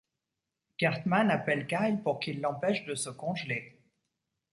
Cartman appelle Kyle pour qu'il l'empêche de se congeler.